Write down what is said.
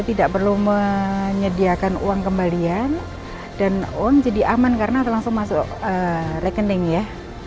untuk indonesia kita sudah mempercepat sistem digital nasional ekonomi dan finansial kita